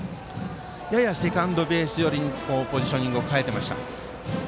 ややセカンドベース寄りにポジショニングを変えていました。